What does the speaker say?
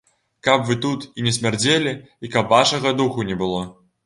Каб вы тут і не смярдзелі і каб вашага духу не было!